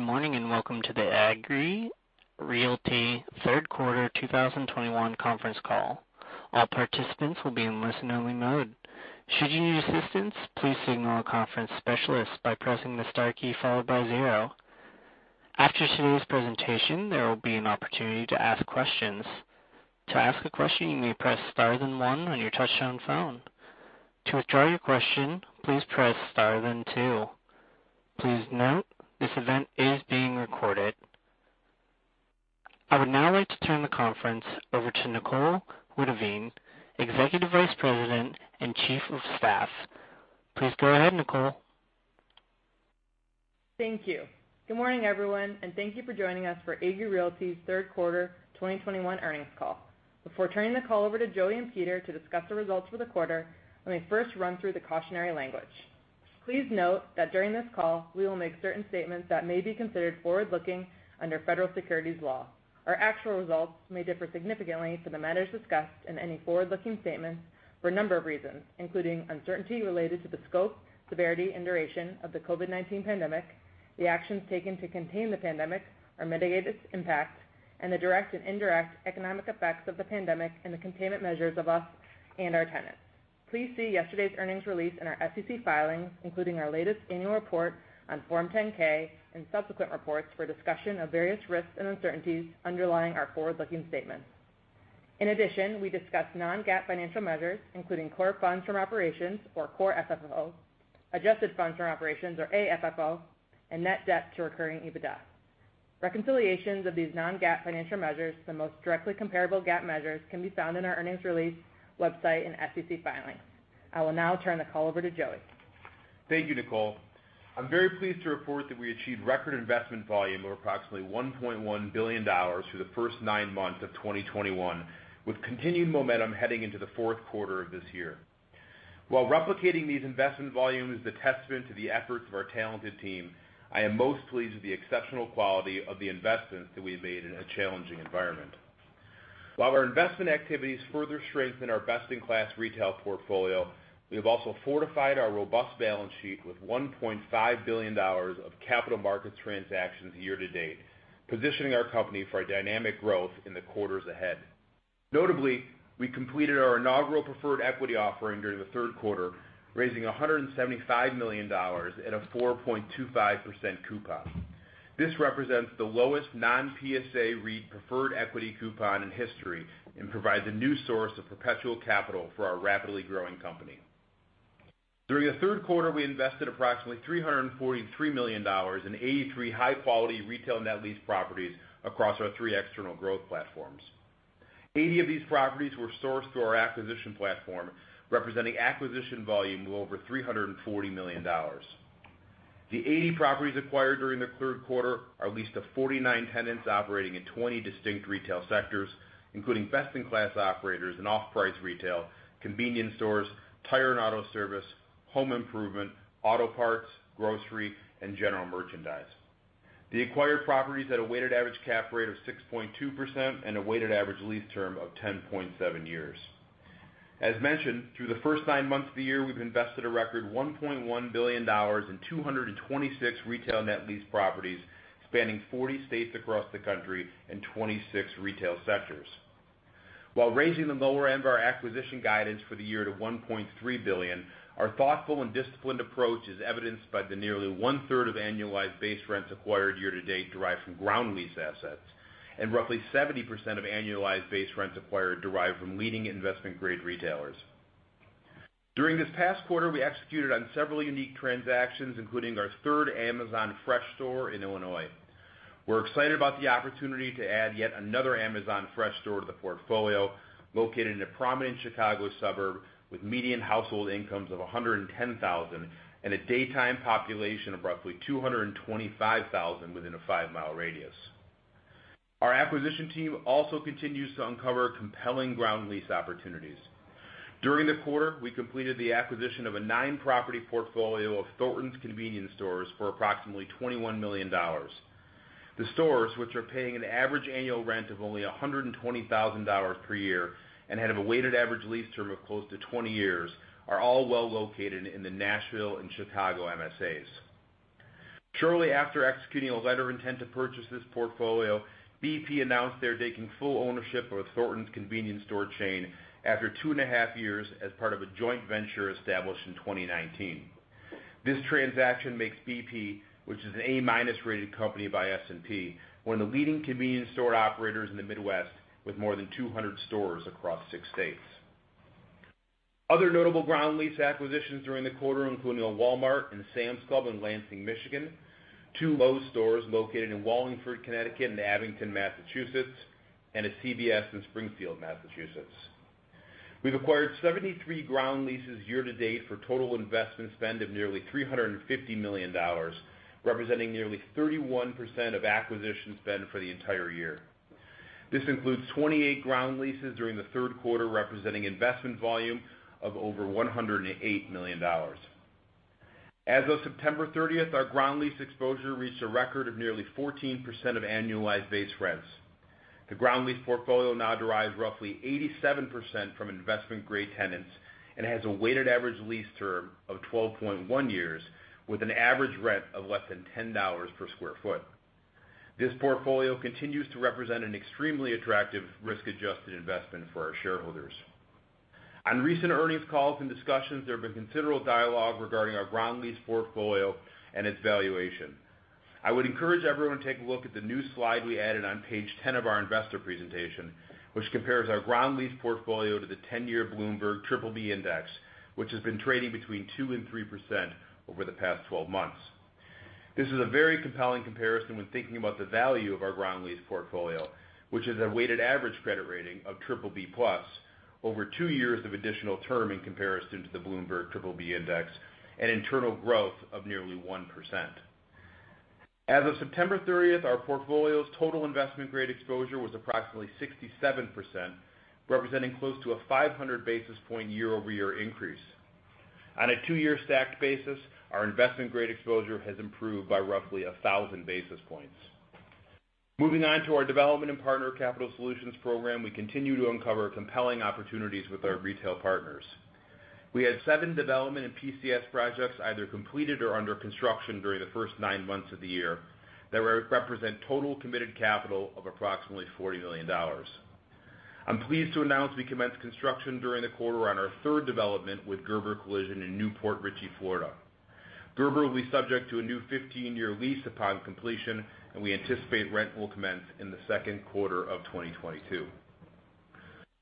Good morning, and welcome to the Agree Realty Third Quarter 2021 Conference Call. All participants will be in listen-only mode. Should you need assistance, please signal a conference specialist by pressing the star key followed by zero. After today's presentation, there will be an opportunity to ask questions. To ask a question, you may press star, then one on your touchtone phone. To withdraw your question, please press star then two. Please note, this event is being recorded. I would now like to turn the conference over to Nicole Witteveen, Executive Vice President and Chief of Staff. Please go ahead, Nicole. Thank you. Good morning, everyone, and thank you for joining us for Agree Realty's Third Quarter 2021 Earnings Call. Before turning the call over to Joey and Peter to discuss the results for the quarter, let me first run through the cautionary language. Please note that during this call, we will make certain statements that may be considered forward-looking under federal securities law. Our actual results may differ significantly from the matters discussed in any forward-looking statements for a number of reasons, including uncertainty related to the scope, severity, and duration of the COVID-19 pandemic, the actions taken to contain the pandemic or mitigate its impact, and the direct and indirect economic effects of the pandemic and the containment measures of us and our tenants. Please see yesterday's earnings release in our SEC filing, including our latest annual report on Form 10-K and subsequent reports for discussion of various risks and uncertainties underlying our forward-looking statements. In addition, we discuss non-GAAP financial measures, including Core Funds From Operations or Core FFO, Adjusted Funds From Operations or AFFO, and net debt to recurring EBITDA. Reconciliations of these non-GAAP financial measures to the most directly comparable GAAP measures can be found in our earnings release website and SEC filing. I will now turn the call over to Joey. Thank you, Nicole. I'm very pleased to report that we achieved record investment volume of approximately $1.1 billion through the first nine months of 2021, with continued momentum heading into the fourth quarter of this year. While replicating these investment volume is a testament to the efforts of our talented team, I am most pleased with the exceptional quality of the investments that we have made in a challenging environment. While our investment activities further strengthen our best-in-class retail portfolio, we have also fortified our robust balance sheet with $1.5 billion of capital market transactions year-to-date, positioning our company for a dynamic growth in the quarters ahead. Notably, we completed our inaugural preferred equity offering during the third quarter, raising $175 million at a 4.25% coupon. This represents the lowest non-PSA REIT preferred equity coupon in history and provides a new source of perpetual capital for our rapidly growing company. During the third quarter, we invested approximately $343 million in 83 high-quality retail net lease properties across our three external growth platforms. Eighty of these properties were sourced through our acquisition platform, representing acquisition volume of over $340 million. The eighty properties acquired during the third quarter are leased to 49 tenants operating in 20 distinct retail sectors, including best-in-class operators in off-price retail, convenience stores, tire and auto service, home improvement, auto parts, grocery, and general merchandise. The acquired properties had a weighted average cap rate of 6.2% and a weighted average lease term of 10.7 years. As mentioned, through the first nine months of the year, we've invested a record $1.1 billion in 226 retail net lease properties spanning 40 states across the country and 26 retail sectors. While raising the lower end of our acquisition guidance for the year to $1.3 billion, our thoughtful and disciplined approach is evidenced by the nearly 1/3 of annualized base rents acquired year-to-date derived from ground lease assets, and roughly 70% of annualized base rents acquired derived from leading investment-grade retailers. During this past quarter, we executed on several unique transactions, including our third Amazon Fresh store in Illinois. We're excited about the opportunity to add yet another Amazon Fresh store to the portfolio located in a prominent Chicago suburb with median household incomes of $110,000 and a daytime population of roughly 225,000 within a five-mile radius. Our acquisition team also continues to uncover compelling ground lease opportunities. During the quarter, we completed the acquisition of a 9-property portfolio of Thorntons convenience stores for approximately $21 million. The stores, which are paying an average annual rent of only $120,000 per year and have a weighted average lease term of close to 20 years, are all well located in the Nashville and Chicago MSAs. Shortly after executing a letter of intent to purchase this portfolio, BP announced they're taking full ownership of Thorntons convenience store chain after two and a half years as part of a joint venture established in 2019. This transaction makes BP, which is an A-minus rated company by S&P, one of the leading convenience store operators in the Midwest with more than 200 stores across six states. Other notable ground lease acquisitions during the quarter including a Walmart and a Sam's Club in Lansing, Michigan, two Lowe's stores located in Wallingford, Connecticut, and Abington, Massachusetts, and a CVS in Springfield, Massachusetts. We've acquired 73 ground leases year-to-date for total investment spend of nearly $350 million, representing nearly 31% of acquisition spend for the entire year. This includes 28 ground leases during the third quarter, representing investment volume of over $108 million. As of September 30th, our ground lease exposure reached a record of nearly 14% of annualized base rents. The ground lease portfolio now derives roughly 87% from investment-grade tenants and has a weighted average lease term of 12.1 years with an average rent of less than $10 per sq ft. This portfolio continues to represent an extremely attractive risk-adjusted investment for our shareholders. On recent earnings calls and discussions, there have been considerable dialogue regarding our ground lease portfolio and its valuation. I would encourage everyone to take a look at the new slide we added on page 10 of our investor presentation, which compares our ground lease portfolio to the 10-year Bloomberg triple B index, which has been trading between 2%-3% over the past 12 months. This is a very compelling comparison when thinking about the value of our ground lease portfolio, which is a weighted average credit rating of triple B plus over two years of additional term in comparison to the Bloomberg triple B index and internal growth of nearly 1%. As of September 30th, our portfolio's total investment-grade exposure was approximately 67%, representing close to a 500 basis point year-over-year increase. On a 2-year stacked basis, our investment-grade exposure has improved by roughly 1,000 basis points. Moving on to our development and partner capital solutions program. We continue to uncover compelling opportunities with our retail partners. We had seven development and PCS projects either completed or under construction during the first nine months of the year that represent total committed capital of approximately $40 million. I'm pleased to announce we commenced construction during the quarter on our third development with Gerber Collision & Glass in New Port Richey, Florida. Gerber Collision & Glass will be subject to a new 15-year lease upon completion, and we anticipate rent will commence in the second quarter of 2022.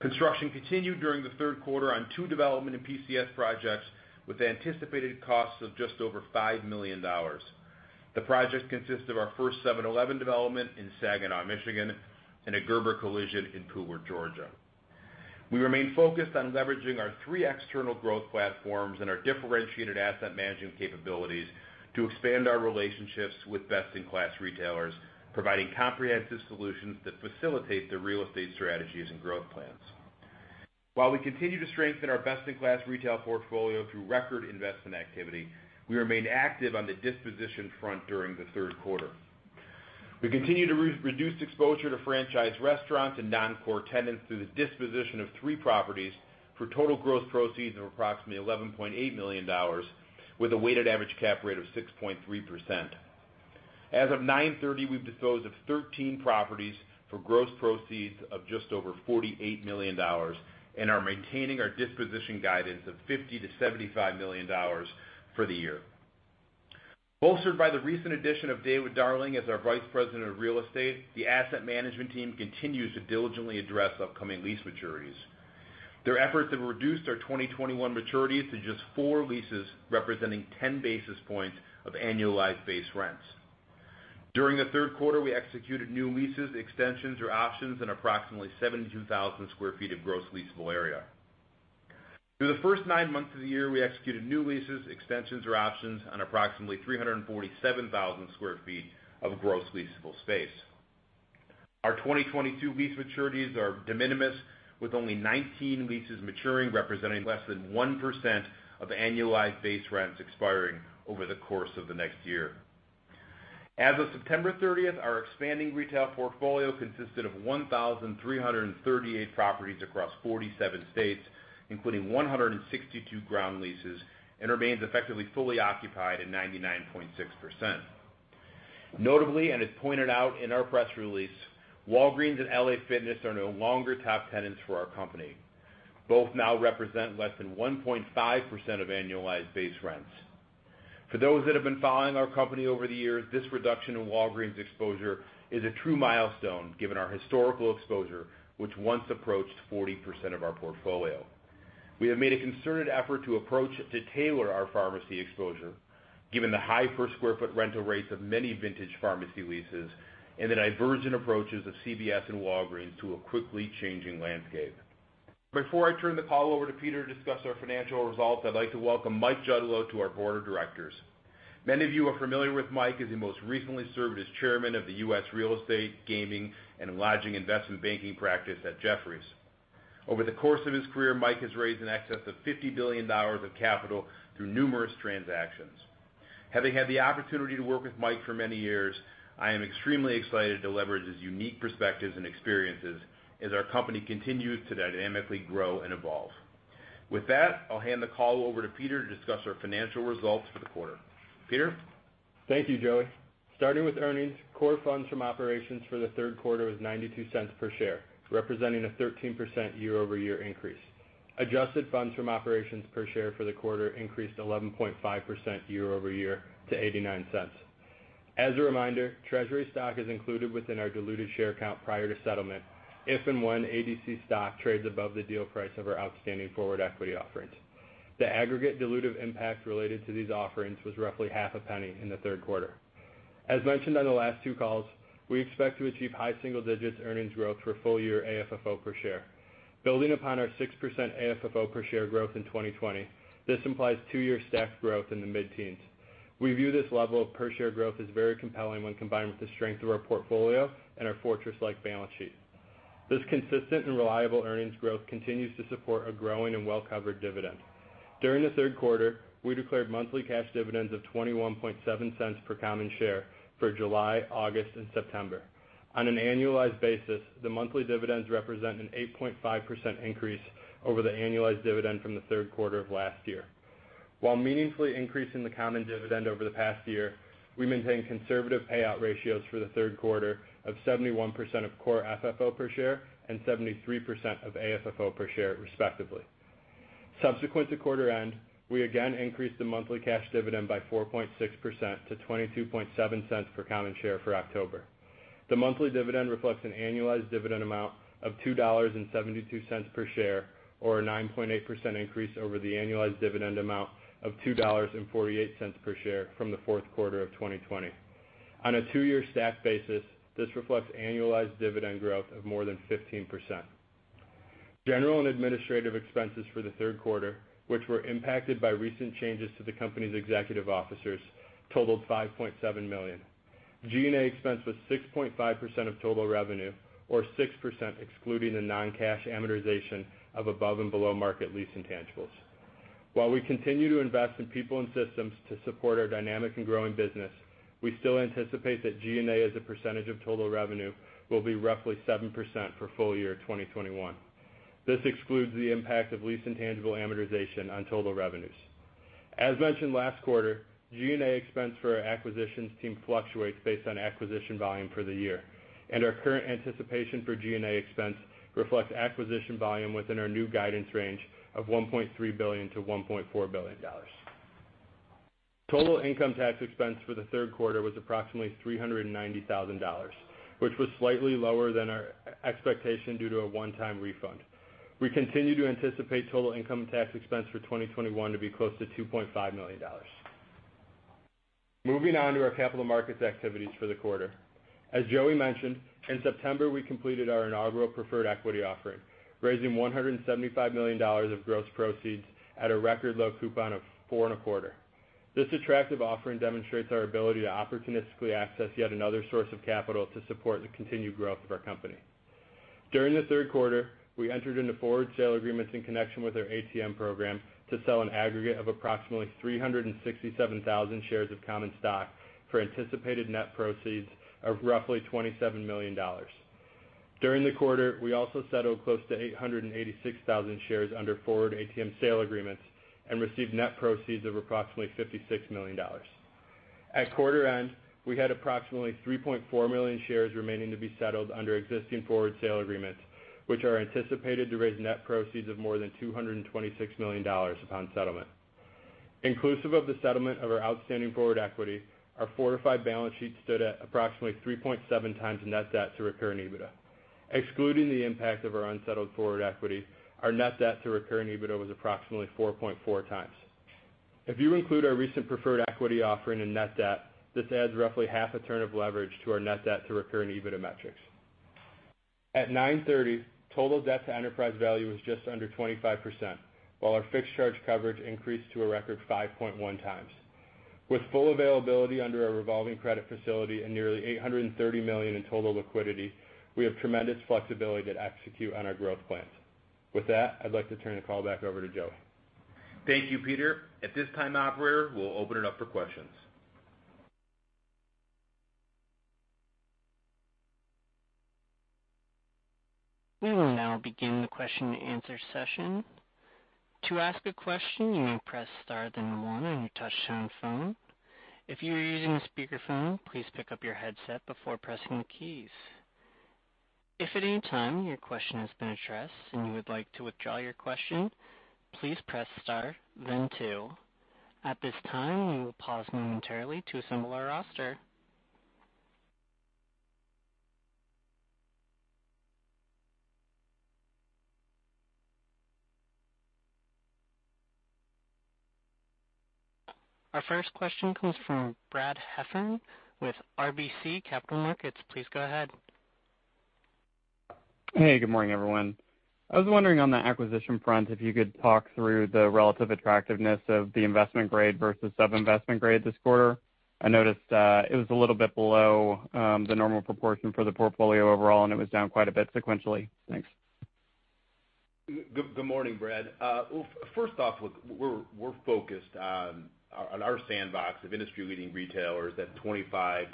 Construction continued during the third quarter on two development and PCS projects with anticipated costs of just over $5 million. The project consists of our first 7-Eleven development in Saginaw, Michigan, and a Gerber Collision & Glass in Pooler, Georgia. We remain focused on leveraging our three external growth platforms and our differentiated asset management capabilities to expand our relationships with best-in-class retailers, providing comprehensive solutions that facilitate their real estate strategies and growth plans. While we continue to strengthen our best-in-class retail portfolio through record investment activity, we remain active on the disposition front during the third quarter. We continue to reduce exposure to franchise restaurants and non-core tenants through the disposition of three properties for total gross proceeds of approximately $11.8 million with a weighted average cap rate of 6.3%. As of 9/30, we've disposed of 13 properties for gross proceeds of just over $48 million and are maintaining our disposition guidance of $50 million-$75 million for the year. Bolstered by the recent addition of David Darling as our Vice President of Real Estate, the asset management team continues to diligently address upcoming lease maturities. Their efforts have reduced our 2021 maturities to just four leases, representing 10 basis points of annualized base rents. During the third quarter, we executed new leases, extensions, or options in approximately 72,000 sq ft of gross leasable area. Through the first nine months of the year, we executed new leases, extensions, or options on approximately 347,000 sq ft of gross leasable space. Our 2022 lease maturities are de minimis, with only 19 leases maturing, representing less than 1% of annualized base rents expiring over the course of the next year. As of September 30th, our expanding retail portfolio consisted of 1,338 properties across 47 states, including 162 ground leases, and remains effectively fully occupied at 99.6%. Notably, as pointed out in our press release, Walgreens and L.A. Fitness are no longer top tenants for our company. Both now represent less than 1.5% of annualized base rents. For those that have been following our company over the years, this reduction in Walgreens exposure is a true milestone, given our historical exposure, which once approached 40% of our portfolio. We have made a concerted effort to tailor our pharmacy exposure, given the high per square foot rental rates of many vintage pharmacy leases and the divergent approaches of CVS and Walgreens to a quickly changing landscape. Before I turn the call over to Peter to discuss our financial results, I'd like to welcome Mike Judlowe to our board of directors. Many of you are familiar with Mike, as he most recently served as Chairman of the U.S. Real Estate, Gaming, and Lodging Investment Banking Practice at Jefferies. Over the course of his career, Mike has raised in excess of $50 billion of capital through numerous transactions. Having had the opportunity to work with Mike for many years, I am extremely excited to leverage his unique perspectives and experiences as our company continues to dynamically grow and evolve. With that, I'll hand the call over to Peter to discuss our financial results for the quarter. Peter? Thank you, Joey. Starting with earnings, Core Funds From Operations for the third quarter was $0.92 per share, representing a 13% year-over-year increase. Adjusted Funds From Operations per share for the quarter increased 11.5% year-over-year to $0.89. As a reminder, treasury stock is included within our diluted share count prior to settlement if and when ADC stock trades above the deal price of our outstanding forward equity offerings. The aggregate dilutive impact related to these offerings was roughly half a penny in the third quarter. As mentioned on the last two calls, we expect to achieve high single digits earnings growth for full-year AFFO per share. Building upon our 6% AFFO per share growth in 2020, this implies two-year stacked growth in the mid-teens. We view this level of per share growth as very compelling when combined with the strength of our portfolio and our fortress-like balance sheet. This consistent and reliable earnings growth continues to support a growing and well-covered dividend. During the third quarter, we declared monthly cash dividends of $0.217 per common share for July, August and September. On an annualized basis, the monthly dividends represent an 8.5% increase over the annualized dividend from the third quarter of last year. While meaningfully increasing the common dividend over the past year, we maintained conservative payout ratios for the third quarter of 71% of Core FFO per share and 73% of AFFO per share, respectively. Subsequent to quarter end, we again increased the monthly cash dividend by 4.6% to $0.227 per common share for October. The monthly dividend reflects an annualized dividend amount of $2.72 per share, or a 9.8% increase over the annualized dividend amount of $2.48 per share from the fourth quarter of 2020. On a two-year stack basis, this reflects annualized dividend growth of more than 15%. General and administrative expenses for the third quarter, which were impacted by recent changes to the company's executive officers, totaled $5.7 million. G&A expense was 6.5% of total revenue, or 6% excluding the non-cash amortization of above and below market lease intangibles. While we continue to invest in people and systems to support our dynamic and growing business, we still anticipate that G&A, as a percentage of total revenue, will be roughly 7% for full year 2021. This excludes the impact of lease intangible amortization on total revenues. As mentioned last quarter, G&A expense for our acquisitions team fluctuates based on acquisition volume for the year, and our current anticipation for G&A expense reflects acquisition volume within our new guidance range of $1.3 billion-$1.4 billion. Total income tax expense for the third quarter was approximately $390,000, which was slightly lower than our expectation due to a one-time refund. We continue to anticipate total income tax expense for 2021 to be close to $2.5 million. Moving on to our capital markets activities for the quarter. As Joey mentioned, in September, we completed our inaugural preferred equity offering, raising $175 million of gross proceeds at a record low coupon of 4.25%. This attractive offering demonstrates our ability to opportunistically access yet another source of capital to support the continued growth of our company. During the third quarter, we entered into forward sale agreements in connection with our ATM program to sell an aggregate of approximately 367,000 shares of common stock for anticipated net proceeds of roughly $27 million. During the quarter, we also settled close to 886,000 shares under forward ATM sale agreements and received net proceeds of approximately $56 million. At quarter end, we had approximately 3.4 million shares remaining to be settled under existing forward sale agreements, which are anticipated to raise net proceeds of more than $226 million upon settlement. Inclusive of the settlement of our outstanding forward equity, our fortified balance sheet stood at approximately 3.7 times net debt to recurring EBITDA. Excluding the impact of our unsettled forward equity, our net debt to recurring EBITDA was approximately 4.4 times. If you include our recent preferred equity offering in net debt, this adds roughly half a turn of leverage to our net debt to recurring EBITDA metrics. At 9/30, total debt to enterprise value was just under 25%, while our fixed charge coverage increased to a record 5.1 times. With full availability under our revolving credit facility and nearly $830 million in total liquidity, we have tremendous flexibility to execute on our growth plans. With that, I'd like to turn the call back over to Joey. Thank you, Peter. At this time, operator, we'll open it up for questions. We will now begin the question and answer session. To ask a question, you may press star then one on your touchtone phone. If you are using a speakerphone, please pick up your headset before pressing the keys. If at any time your question has been addressed and you would like to withdraw your question, please press star then two. At this time, we will pause momentarily to assemble our roster. Our first question comes from Brad Heffern with RBC Capital Markets. Please go ahead. Hey, good morning, everyone. I was wondering on the acquisition front, if you could talk through the relative attractiveness of the investment grade versus sub-investment grade this quarter. I noticed it was a little bit below the normal proportion for the portfolio overall, and it was down quite a bit sequentially. Thanks. Good morning, Brad. Well, first off, look, we're focused on our sandbox of industry-leading retailers, that 25-30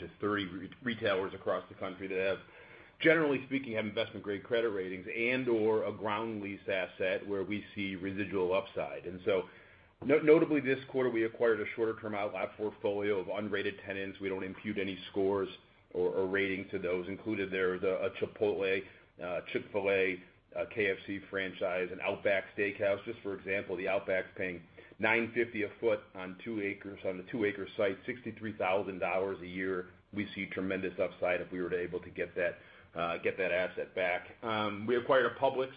retailers across the country that have, generally speaking, have investment-grade credit ratings and/or a ground lease asset where we see residual upside. Notably this quarter, we acquired a shorter-term outlet portfolio of unrated tenants. We don't impute any scores or rating to those. Included there is a Chipotle, Chick-fil-A, a KFC franchise, an Outback Steakhouse. Just for example, the Outback's paying $9.50 a foot on the two-acre site, $63,000 a year. We see tremendous upside if we were to able to get that asset back. We acquired a Publix.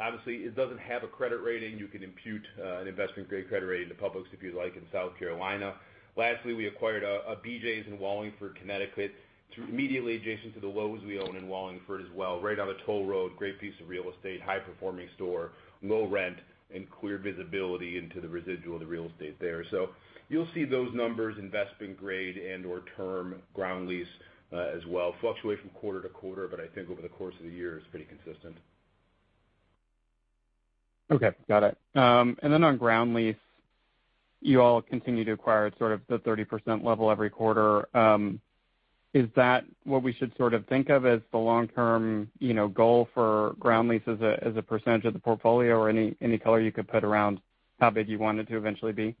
Obviously, it doesn't have a credit rating. You can impute an investment-grade credit rating to Publix if you'd like, in South Carolina. Lastly, we acquired a BJ's in Wallingford, Connecticut, through immediately adjacent to the Lowe's we own in Wallingford as well, right on the toll road, great piece of real estate, high-performing store, low rent, and clear visibility into the residual of the real estate there. You'll see those numbers, investment grade and/or term ground lease, as well fluctuate from quarter to quarter, but I think over the course of the year it's pretty consistent. Okay. Got it. On ground lease, you all continue to acquire sort of the 30% level every quarter. Is that what we should sort of think of as the long-term, you know, goal for ground lease as a percentage of the portfolio, or any color you could put around how big you want it to eventually be?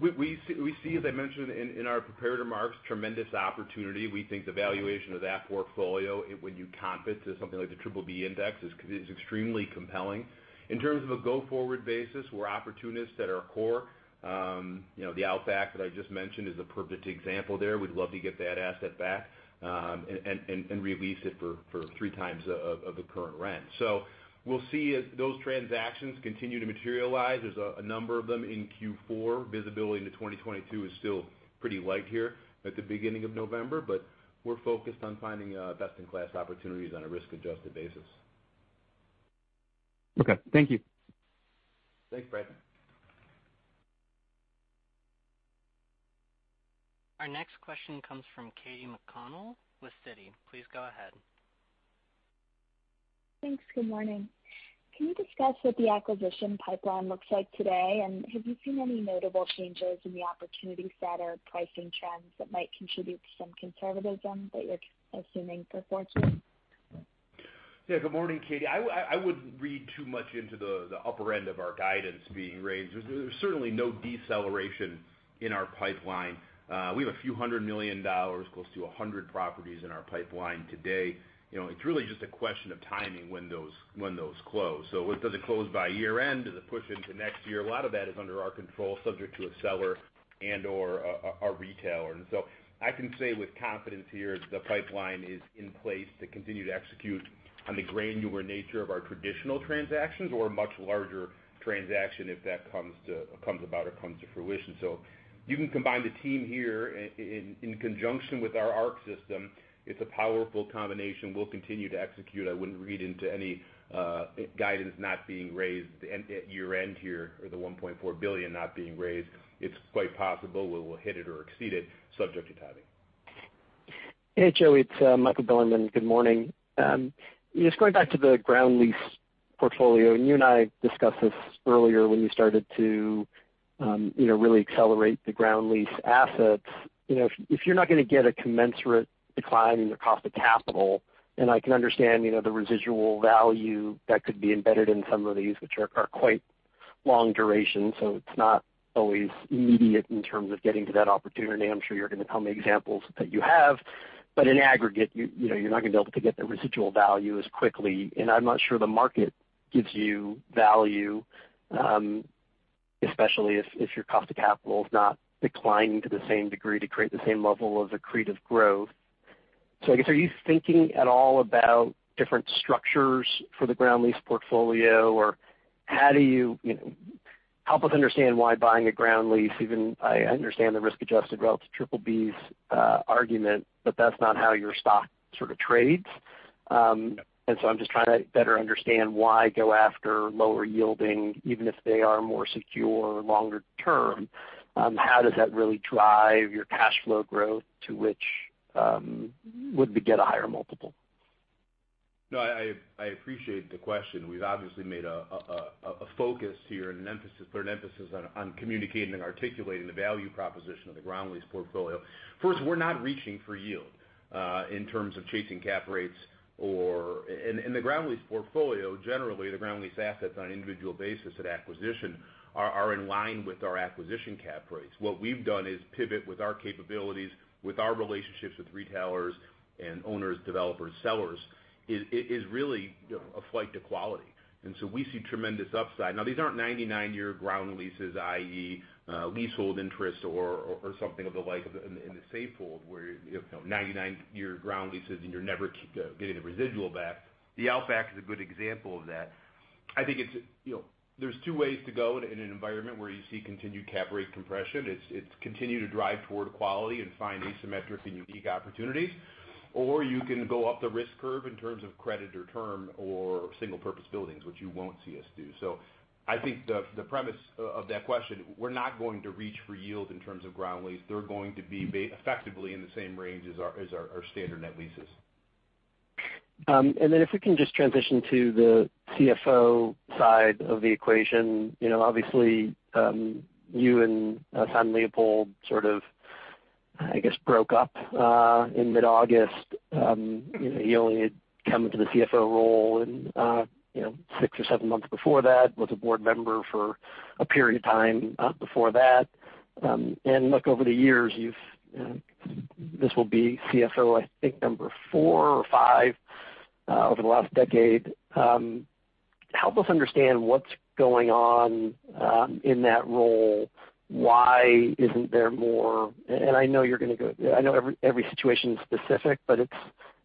We see as I mentioned in our prepared remarks, tremendous opportunity. We think the valuation of that portfolio, when you comp it to something like the triple B index is extremely compelling. In terms of a go-forward basis, we're opportunists at our core. You know, the Outback that I just mentioned is the perfect example there. We'd love to get that asset back, and re-lease it for three times of the current rent. We'll see as those transactions continue to materialize, there's a number of them in Q4. Visibility into 2022 is still pretty light here at the beginning of November, we're focused on finding best-in-class opportunities on a risk-adjusted basis. Okay, thank you. Thanks, Brad. Our next question comes from Katy McConnell with Citi. Please go ahead. Thanks. Good morning. Can you discuss what the acquisition pipeline looks like today, and have you seen any notable changes in the opportunity set or pricing trends that might contribute to some conservatism that you're assuming for 2022? Yeah. Good morning, Katy. I wouldn't read too much into the upper end of our guidance being raised. There's certainly no deceleration in our pipeline. We have a few hundred million dollars, close to 100 properties in our pipeline today. You know, it's really just a question of timing when those close. Does it close by year-end? Does it push into next year? A lot of that is under our control, subject to a seller and/or a retailer. I can say with confidence here, the pipeline is in place to continue to execute on the granular nature of our traditional transactions or a much larger transaction if that comes about or comes to fruition. You can combine the team here in conjunction with our ARC system, it's a powerful combination. We'll continue to execute. I wouldn't read into any guidance not being raised at year end here, or the $1.4 billion not being raised. It's quite possible we will hit it or exceed it subject to timing. Hey, Joey, it's Michael Bilerman. Good morning. Just going back to the ground lease portfolio, and you and I discussed this earlier when you started to, you know, really accelerate the ground lease assets. You know, if you're not gonna get a commensurate decline in your cost of capital, and I can understand, you know, the residual value that could be embedded in some of these, which are quite long duration, so it's not always immediate in terms of getting to that opportunity. I'm sure you're gonna tell me examples that you have. But in aggregate, you know, you're not gonna be able to get the residual value as quickly, and I'm not sure the market gives you value, especially if your cost of capital is not declining to the same degree to create the same level of accretive growth. I guess, are you thinking at all about different structures for the ground lease portfolio, or how do you know, help us understand why buying a ground lease, even I understand the risk adjusted relative to triple Bs argument, but that's not how your stock sort of trades. I'm just trying to better understand why go after lower yielding, even if they are more secure longer term, how does that really drive your cash flow growth to which would get a higher multiple? No, I appreciate the question. We've obviously made a focus here and an emphasis, put an emphasis on communicating and articulating the value proposition of the ground lease portfolio. First, we're not reaching for yield in terms of chasing cap rates or. In the ground lease portfolio, generally, the ground lease assets on an individual basis at acquisition are in line with our acquisition cap rates. What we've done is pivot with our capabilities, with our relationships with retailers and owners, developers, sellers, is really, you know, a flight to quality. We see tremendous upside. Now these aren't 99-year ground leases, i.e., leasehold interest or something of the like in the Safehold where, you know, 99-year ground leases and you're never getting the residual back. The Outback is a good example of that. I think it's, you know, there's two ways to go in an environment where you see continued cap rate compression. It's continue to drive toward quality and find asymmetric and unique opportunities, or you can go up the risk curve in terms of credit or term or single purpose buildings, which you won't see us do. I think the premise of that question, we're not going to reach for yield in terms of ground lease. They're going to be effectively in the same range as our standard net leases. If we can just transition to the CFO side of the equation. You know, obviously, you and Simon Leopold sort of, I guess, broke up in mid-August. You know, he only had come into the CFO role in you know, six or seven months before that, was a board member for a period of time before that. Look, over the years, you've this will be CFO, I think number four or five over the last decade. Help us understand what's going on in that role. Why isn't there more? I know you're gonna go, I know every situation is specific, but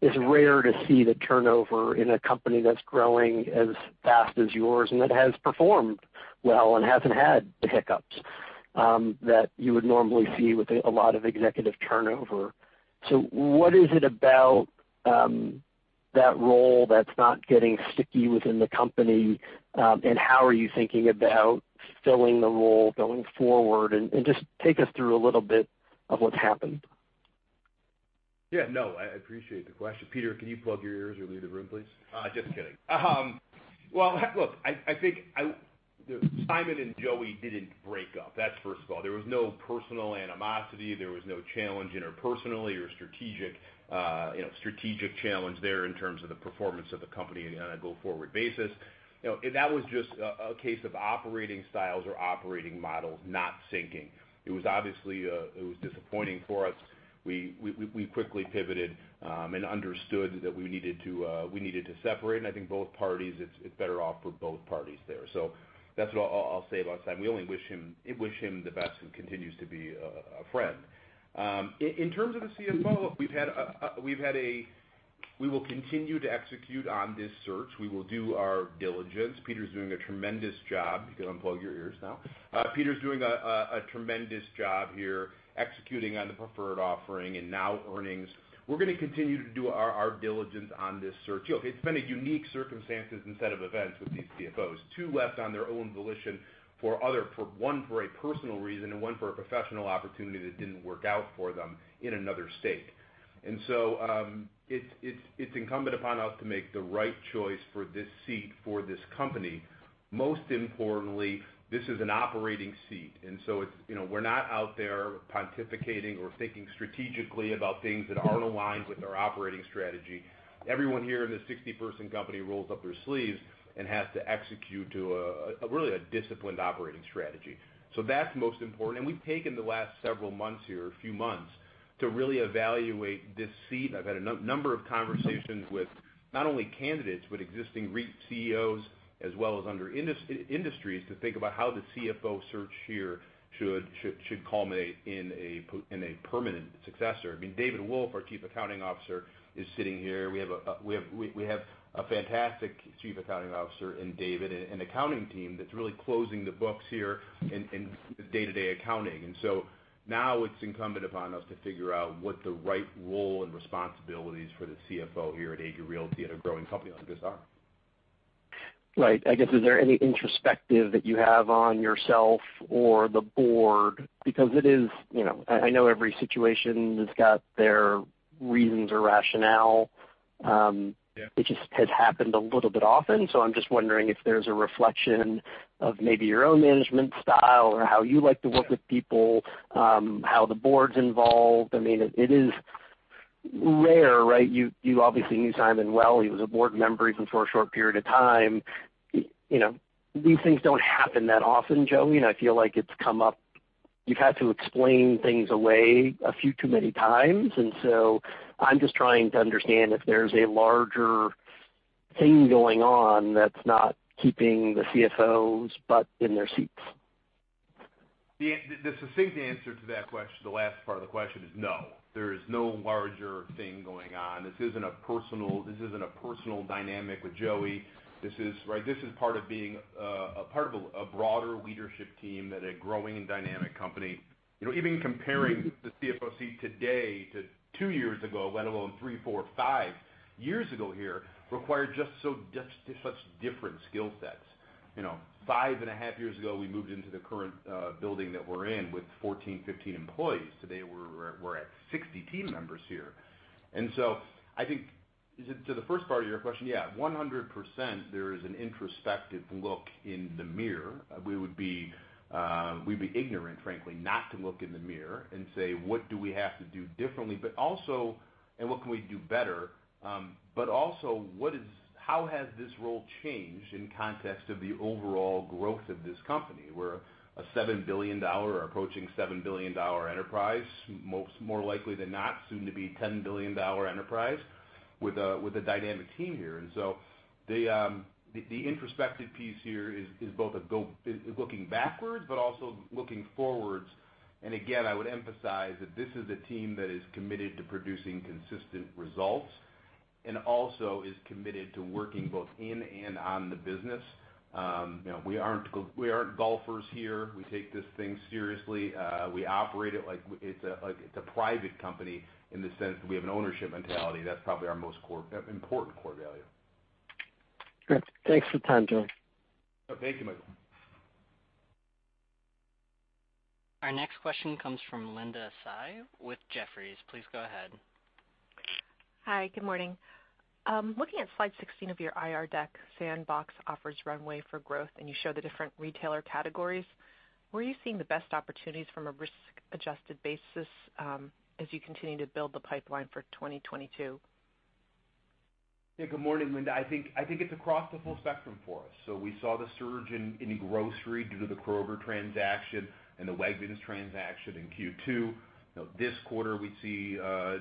it's rare to see the turnover in a company that's growing as fast as yours and that has performed well and hasn't had the hiccups that you would normally see with a lot of executive turnover. What is it about that role that's not getting sticky within the company, and how are you thinking about filling the role going forward? Just take us through a little bit of what's happened. Yeah. No, I appreciate the question. Peter, can you plug your ears or leave the room, please? Just kidding. Well, look, I think Simon and Joey didn't break up. That's first of all. There was no personal animosity. There was no challenge interpersonally or strategic, you know, strategic challenge there in terms of the performance of the company on a go-forward basis. You know, that was just a case of operating styles or operating models not syncing. It was obviously, it was disappointing for us. We quickly pivoted, and understood that we needed to separate. I think both parties, it's better off for both parties there. So that's what I'll say about Simon. We only wish him the best and continues to be a friend. In terms of the CFO, look, we will continue to execute on this search. We will do our diligence. Peter's doing a tremendous job. You can unplug your ears now. Peter's doing a tremendous job here executing on the preferred offering and now earnings. We're gonna continue to do our diligence on this search. Look, it's been a unique circumstances and set of events with these CFOs. Two left on their own volition for one, for a personal reason, and one for a professional opportunity that didn't work out for them in another state. It's incumbent upon us to make the right choice for this seat, for this company. Most importantly, this is an operating seat, and so it's, you know, we're not out there pontificating or thinking strategically about things that aren't aligned with our operating strategy. Everyone here in this 60-person company rolls up their sleeves and has to execute to a really disciplined operating strategy. That's most important. We've taken the last several months here, a few months, to really evaluate this seat. I've had a number of conversations with not only candidates, but existing REIT CEOs as well as other industries to think about how the CFO search here should culminate in a permanent successor. I mean, David Wolfe, our Chief Accounting Officer, is sitting here. We have a fantastic Chief Accounting Officer in David and accounting team that's really closing the books here in day-to-day accounting. Now it's incumbent upon us to figure out what the right role and responsibilities for the CFO here at Agree Realty at a growing company like this are. Right. I guess, is there any introspection that you have on yourself or the board? Because it is, you know, I know every situation has got their reasons or rationale. Yeah. It just has happened a little bit often, so I'm just wondering if there's a reflection of maybe your own management style or how you like to work with people, how the board's involved. I mean, it is rare, right? You obviously knew Simon well. He was a board member even for a short period of time. You know, these things don't happen that often, Joey, and I feel like it's come up. You've had to explain things away a few too many times, and so I'm just trying to understand if there's a larger thing going on that's not keeping the CFOs' butts in their seats. The succinct answer to that question, the last part of the question is no. There is no larger thing going on. This isn't a personal dynamic with Joey. This is right. This is part of being a part of a broader leadership team at a growing and dynamic company. You know, even comparing the CFO seat today to two years ago, let alone three, four, five years ago here, require just such different skill sets. You know, 5.5 years ago, we moved into the current building that we're in with 14, 15 employees. Today, we're at 60 team members here. I think to the first part of your question, yeah, 100% there is an introspective look in the mirror. We would be, we'd be ignorant, frankly, not to look in the mirror and say, "What do we have to do differently?" What can we do better, but also how has this role changed in context of the overall growth of this company? We're a $7 billion or approaching $7 billion enterprise, more likely than not soon to be $10 billion enterprise with a dynamic team here. The introspective piece here is both looking backwards but also looking forwards. Again, I would emphasize that this is a team that is committed to producing consistent results and also is committed to working both in and on the business. You know, we aren't golfers here. We take this thing seriously. We operate it like it's a private company in the sense that we have an ownership mentality. That's probably our most important core value. Great. Thanks for the time, Joey. Thank you, Michael. Our next question comes from Linda Tsai with Jefferies. Please go ahead. Hi. Good morning. Looking at slide 16 of your IR deck, Sandbox offers runway for growth, and you show the different retailer categories. Where are you seeing the best opportunities from a risk-adjusted basis, as you continue to build the pipeline for 2022? Yeah. Good morning, Linda. I think it's across the full spectrum for us. We saw the surge in grocery due to the Kroger transaction and the Wegmans transaction in Q2. You know, this quarter we see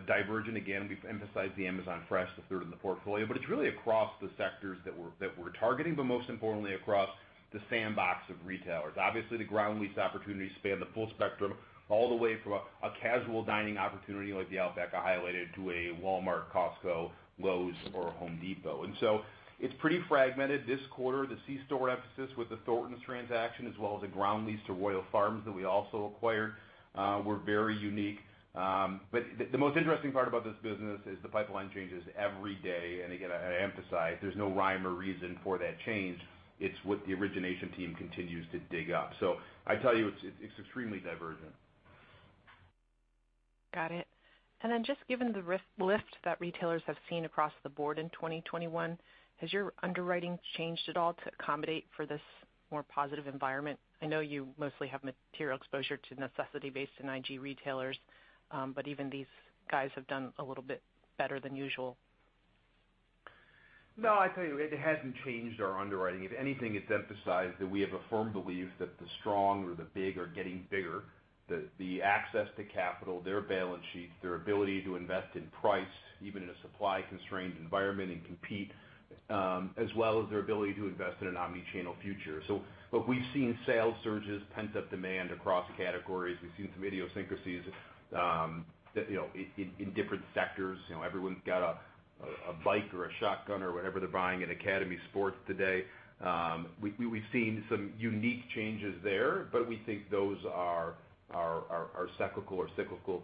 divergence again. We've emphasized the Amazon Fresh, the third in the portfolio, but it's really across the sectors that we're targeting, but most importantly across the sandbox of retailers. Obviously, the ground lease opportunities span the full spectrum, all the way from a casual dining opportunity like the Outback I highlighted to a Walmart, Costco, Lowe's, or Home Depot. It's pretty fragmented this quarter. The C-store emphasis with the Thorntons transaction, as well as the ground lease to Royal Farms that we also acquired, were very unique. The most interesting part about this business is the pipeline changes every day. Again, I emphasize there's no rhyme or reason for that change. It's what the origination team continues to dig up. I tell you it's extremely divergent. Got it. Just given the lift that retailers have seen across the board in 2021, has your underwriting changed at all to accommodate for this more positive environment? I know you mostly have material exposure to necessity-based investment-grade retailers, but even these guys have done a little bit better than usual. No, I tell you, it hasn't changed our underwriting. If anything, it's emphasized that we have a firm belief that the strong or the big are getting bigger. The access to capital, their balance sheets, their ability to invest in price, even in a supply constrained environment and compete, as well as their ability to invest in an omni-channel future. Look, we've seen sales surges, pent-up demand across categories. We've seen some idiosyncrasies that, you know, in different sectors. You know, everyone's got a bike or a shotgun or whatever they're buying in Academy Sports today. We've seen some unique changes there, but we think those are cyclical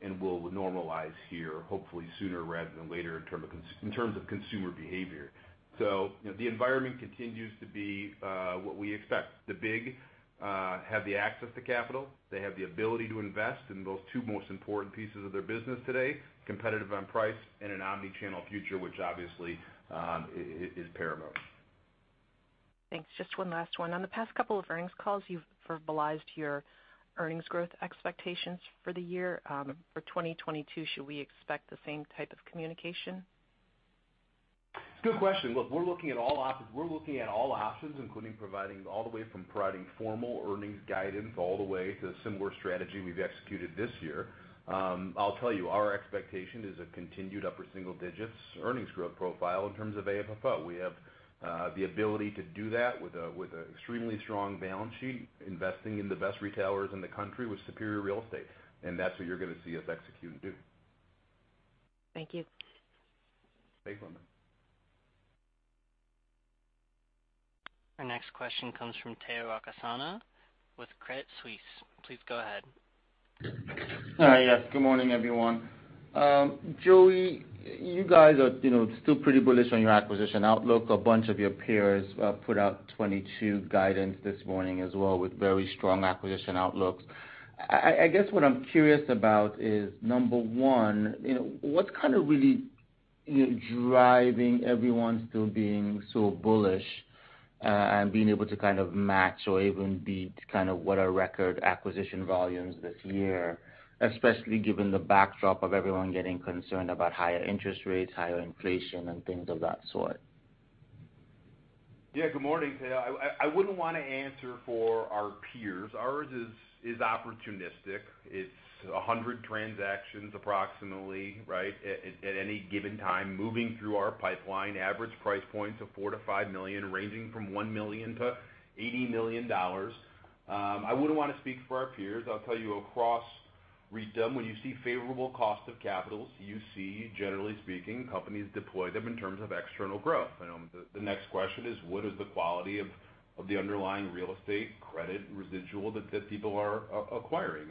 and will normalize here, hopefully sooner rather than later in terms of consumer behavior. You know, the environment continues to be what we expect. The bigs have access to capital. They have the ability to invest in those two most important pieces of their business today, competitive on price and an omni-channel future, which obviously is paramount. Thanks. Just one last one. On the past couple of earnings calls, you've verbalized your earnings growth expectations for the year, for 2022. Should we expect the same type of communication? Good question. Look, we're looking at all options, including providing formal earnings guidance all the way to a similar strategy we've executed this year. I'll tell you, our expectation is a continued upper single digits earnings growth profile in terms of AFFO. We have the ability to do that with an extremely strong balance sheet, investing in the best retailers in the country with superior real estate. That's what you're gonna see us execute and do. Thank you. Thanks, Linda. Our next question comes from Tayo Okusanya with Credit Suisse. Please go ahead. Hi. Yes, good morning, everyone. Joey, you guys are, you know, still pretty bullish on your acquisition outlook. A bunch of your peers put out 2022 guidance this morning as well with very strong acquisition outlooks. I guess what I'm curious about is, number one, you know, what's kind of really, you know, driving everyone still being so bullish, and being able to kind of match or even beat kind of what are record acquisition volumes this year, especially given the backdrop of everyone getting concerned about higher interest rates, higher inflation, and things of that sort? Yeah, good morning, Tayo. I wouldn't wanna answer for our peers. Ours is opportunistic. It's 100 transactions approximately, right, at any given time, moving through our pipeline, average price points of $4 million-$5 million, ranging from $1 million-$80 million. I wouldn't wanna speak for our peers. I'll tell you across REITs, then, when you see favorable cost of capitals, you see, generally speaking, companies deploy them in terms of external growth. You know, the next question is what is the quality of the underlying real estate credit residual that people are acquiring.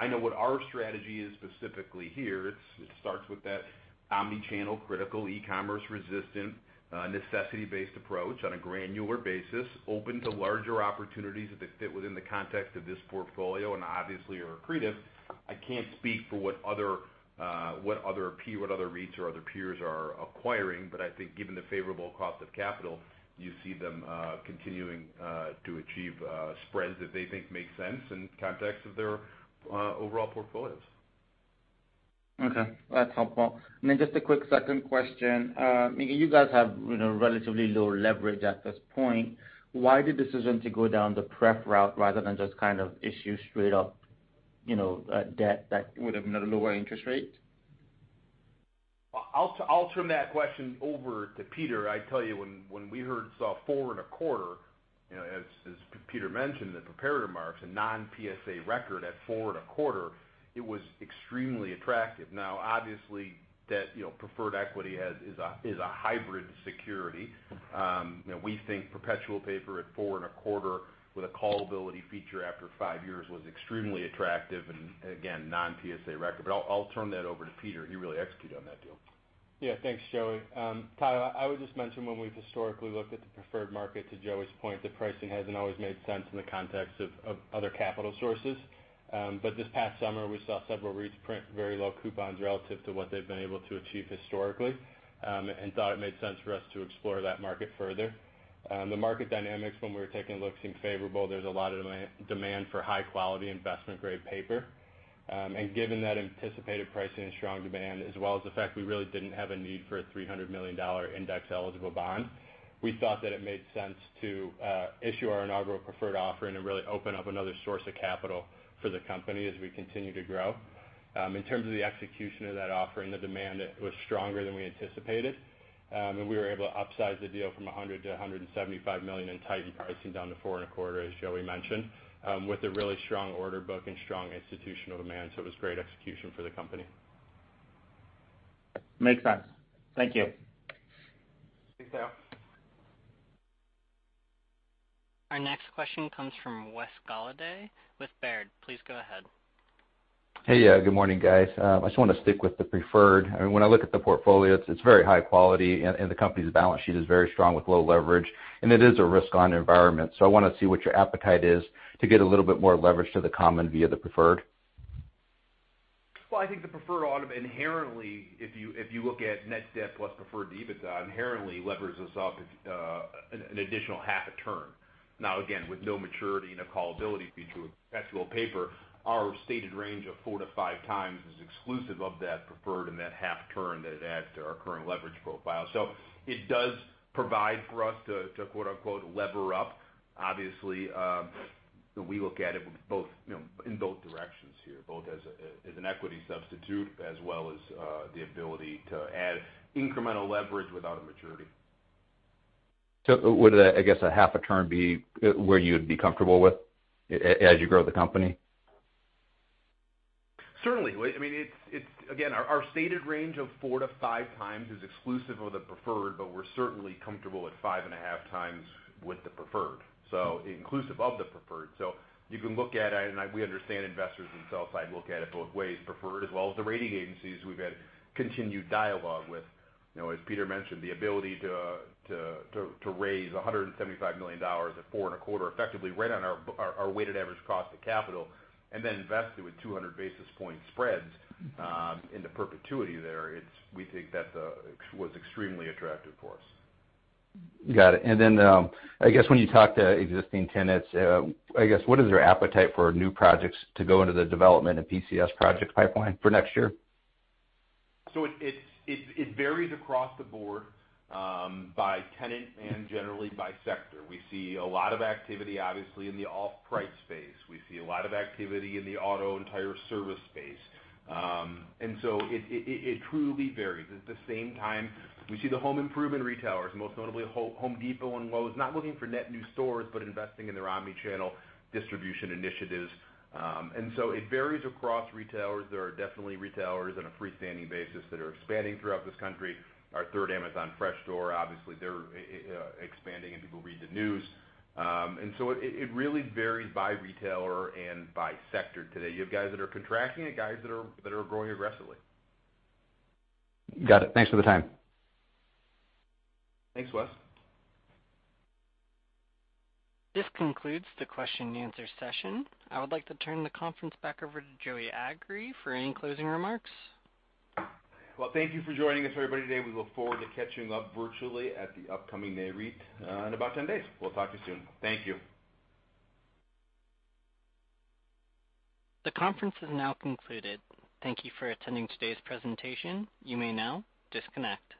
I know what our strategy is specifically here. It starts with that omni-channel critical e-commerce resistance, necessity-based approach on a granular basis, open to larger opportunities that fit within the context of this portfolio and obviously are accretive. I can't speak for what other REITs or other peers are acquiring. I think given the favorable cost of capital, you see them continuing to achieve spreads that they think make sense in context of their overall portfolios. Okay, that's helpful. Just a quick second question. I mean, you guys have, you know, relatively low leverage at this point. Why the decision to go down the prepay route rather than just kind of issue straight up, you know, debt that would have been a lower interest rate? I'll turn that question over to Peter. I tell you when we saw 4.25%, you know, as Peter mentioned in the prepared remarks, a non-PSA record at 4.25%, it was extremely attractive. Now, obviously, debt, you know, preferred equity is a hybrid security. You know, we think perpetual paper at 4.25% with a callability feature after five years was extremely attractive and again, non-PSA record. I'll turn that over to Peter. He really executed on that deal. Yeah. Thanks, Joey. Tayo, I would just mention when we've historically looked at the preferred market, to Joey's point, the pricing hasn't always made sense in the context of other capital sources. This past summer, we saw several REITs print very low coupons relative to what they've been able to achieve historically, and thought it made sense for us to explore that market further. The market dynamics when we were taking a look seemed favorable. There's a lot of demand for high quality investment grade paper. Given that anticipated pricing and strong demand, as well as the fact we really didn't have a need for a $300 million index eligible bond, we thought that it made sense to issue our inaugural preferred offering and really open up another source of capital for the company as we continue to grow. In terms of the execution of that offering, the demand was stronger than we anticipated. We were able to upsize the deal from $100 million-$175 million and tighten pricing down to 4.25%, as Joey mentioned, with a really strong order book and strong institutional demand. It was great execution for the company. Makes sense. Thank you. Thanks, Tayo. Our next question comes from Wes Golladay with Baird. Please go ahead. Hey. Good morning, guys. I just wanna stick with the preferred. I mean, when I look at the portfolio, it's very high quality and the company's balance sheet is very strong with low leverage, and it is a risk on environment. I wanna see what your appetite is to get a little bit more leverage to the common via the preferred. Well, I think the preferred equity inherently, if you look at net debt plus preferred EBITDA, inherently levers us up an additional half a turn. Now, again, with no maturity and a callability feature with actual paper, our stated range of 4-5 times is exclusive of that preferred and that half turn that it adds to our current leverage profile. It does provide for us to quote-unquote lever up. Obviously, we look at it both in both directions here, both as an equity substitute as well as the ability to add incremental leverage without a maturity. Would, I guess, a half a turn be where you'd be comfortable with as you grow the company? Certainly. I mean, Again, our stated range of 4x-5x is exclusive of the preferred, but we're certainly comfortable at 5.5x with the preferred. Inclusive of the preferred. You can look at it, and we understand investors and sell-side look at it both ways, preferred as well as the rating agencies we've had continued dialogue with. You know, as Peter mentioned, the ability to raise $175 million at 4.25%, effectively right on our weighted average cost of capital, and then invested with 200 basis point spreads into perpetuity there. We think that was extremely attractive for us. Got it. I guess when you talk to existing tenants, I guess, what is their appetite for new projects to go into the development and PCS project pipeline for next year? It varies across the board by tenant and generally by sector. We see a lot of activity, obviously, in the off-price space. We see a lot of activity in the auto and tire service space. It truly varies. At the same time, we see the home improvement retailers, most notably Home Depot and Lowe's, not looking for net new stores, but investing in their omni-channel distribution initiatives. It varies across retailers. There are definitely retailers on a freestanding basis that are expanding throughout this country. Our third Amazon Fresh store, obviously they're expanding, and people read the news. It really varies by retailer and by sector today. You have guys that are contracting and guys that are growing aggressively. Got it. Thanks for the time. Thanks, Wes. This concludes the question and answer session. I would like to turn the conference back over to Joey Agree for any closing remarks. Well, thank you for joining us, everybody, today. We look forward to catching up virtually at the upcoming Nareit in about 10 days. We'll talk to you soon. Thank you. The conference is now concluded. Thank you for attending today's presentation. You may now disconnect.